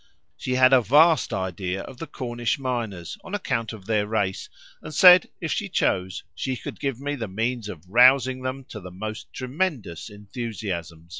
She had a vast idea of the Cornish miners on account of their race, and said, if she chose, she could give me the means of rousing them to the most tremendous enthusiasm.